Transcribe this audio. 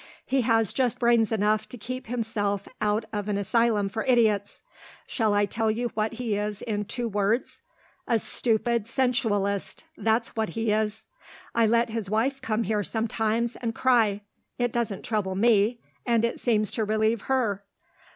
"He has just brains enough to keep himself out of an asylum for idiots. Shall I tell you what he is in two words? A stupid sensualist that's what he is. I let his wife come here sometimes, and cry. It doesn't trouble me; and it seems to relieve _her.